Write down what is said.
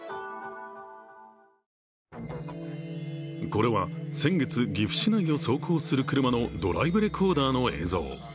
これは先月、岐阜市内を走行する車のドライブレコーダーの映像。